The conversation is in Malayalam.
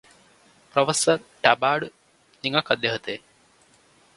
പ്രൊഫസ്സര് ടബാര്ഡ് നിങ്ങള്ക്കദ്ദേഹത്തെ